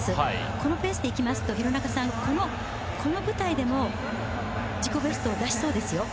このペースでいくと廣中さんはこの舞台でも自己ベストを出しそうですよ。